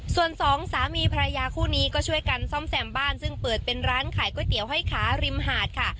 ส่วนสองสามีภรรยาคู่นี้ก็ช่วยกันซ่อมแซมบ้านซึ่งเปิดเป็นร้านขายก๋วยเตี๋ยวห้อยขาริมหาดค่ะ